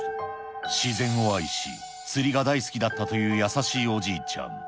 自然を愛し、釣りが大好きだったという優しいおじいちゃん。